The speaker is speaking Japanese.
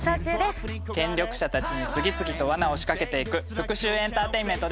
権力者たちに次々と罠を仕掛けていく復讐エンターテインメント。